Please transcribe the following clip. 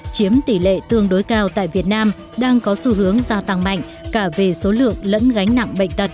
chiếm tỷ lệ tương đối cao tại việt nam đang có xu hướng gia tăng mạnh cả về số lượng lẫn gánh nặng bệnh tật